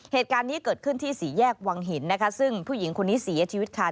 เหตุการณ์นี้เกิดขึ้นที่สี่แยกวังหินนะคะซึ่งผู้หญิงคนนี้เสียชีวิตค่ะ